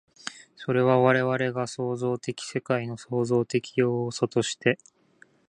それは我々が創造的世界の創造的要素として、